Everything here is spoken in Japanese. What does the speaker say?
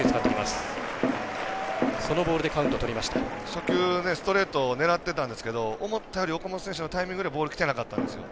初球ストレートを狙ってたんですけど思ったより岡本選手のタイミングよりボールきてなかったんですよ。